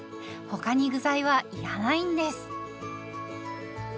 他に具材は要らないんです。